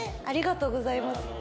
ありがとうございます。